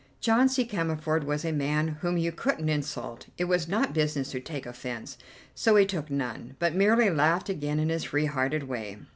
John C. Cammerford was a man whom you couldn't insult: it was not business to take offence, so he took none, but merely laughed again in his free hearted way.